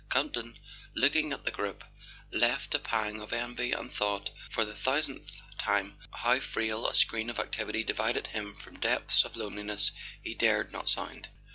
Campton, looking at the group, felt a pang of envy, and thought, for the thousandth time, how frail a screen of activity divided him from depths of loneliness he dared not sound.